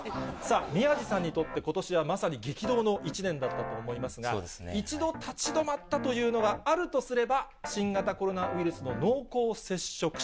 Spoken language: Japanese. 宮治さんにとって、ことしはまさに激動の一年だったと思いますが、一度立ち止まったというのがあるとすれば、新型コロナウイルスの濃厚接触者。